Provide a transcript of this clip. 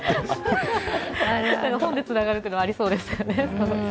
本でつながるというのはありそうですよね。